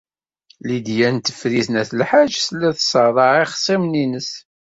Lidya n Tifrit n At Lḥaǧ tella tṣerreɛ ixṣimen-nnes.